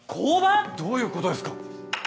どういうことですか。